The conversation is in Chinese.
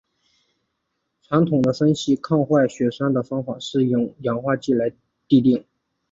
传统的分析抗坏血酸的方法是用氧化剂来滴定。